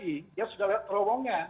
dia sudah lewat terowongan